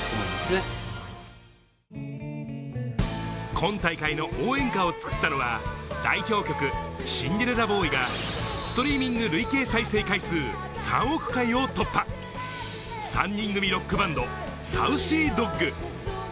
今大会の応援歌を作ったのは代表曲『シンデレラボーイ』がストリーミング累計再生回数３億回を突破、３人組ロックバンド・ＳａｕｃｙＤｏｇ。